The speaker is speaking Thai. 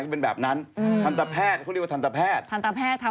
เป็นแบบนั้นทันทะแพทย์เขาเรียกว่าทันทะแพทย์